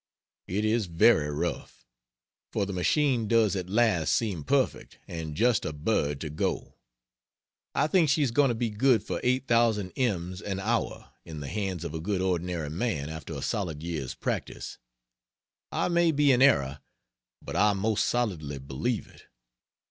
It is very rough; for the machine does at last seem perfect, and just a bird to go! I think she's going to be good for 8,000 ems an hour in the hands of a good ordinary man after a solid year's practice. I may be in error, but I most solidly believe it.